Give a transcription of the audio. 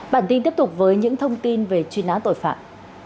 bản tin tiếp tục với những thông tin về truy nã tội phạm